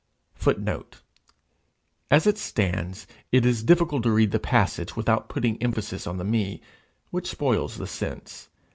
[Footnote: As it stands, it is difficult to read the passage without putting emphasis on the me, which spoils the sense.